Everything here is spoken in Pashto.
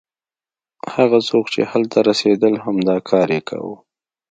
هغه څوک چې هلته رسېدل همدا کار یې کاوه.